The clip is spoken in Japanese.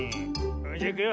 それじゃいくよ。